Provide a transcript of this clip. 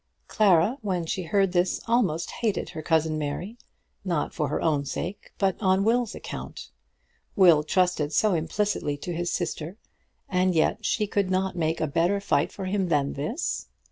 Clara, when she heard this, almost hated her cousin Mary, not for her own sake, but on Will's account. Will trusted so implicitly to his sister, and yet she could not make a better fight for him than this!